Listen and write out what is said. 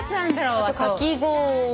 かき氷。